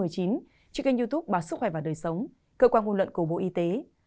trên kênh youtube báo sức khỏe và đời sống cơ quan ngôn luận của bộ y tế